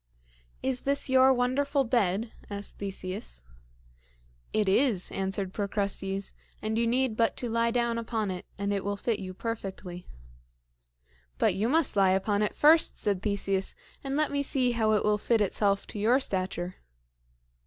"Is this your wonderful bed?" asked Theseus. "It is," answered Procrustes, "and you need but to lie down upon it, and it will fit you perfectly." "But you must lie upon it first," said Theseus, "and let me see how it will fit itself to your stature."